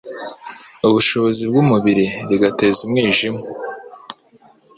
ubushobozi bw’umubiri, rigateza umwijima